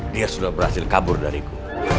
dia sudah berhasil kabur dariku